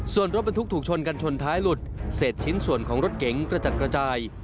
ส่วนรถบรรทุกถูกชนกันชนท้ายหลุดเศษชิ้นส่วนของรถเก๋งกระจัดกระจาย